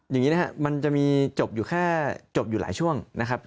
อย่างนี้นะครับมันจะมีจบอยู่แค่จบอยู่หลายช่วงนะครับ